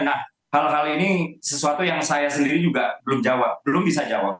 nah hal hal ini sesuatu yang saya sendiri juga belum jawab belum bisa jawab